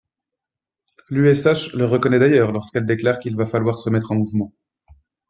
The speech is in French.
L’USH le reconnaît d’ailleurs lorsqu’elle déclare qu’il va falloir se mettre en mouvement.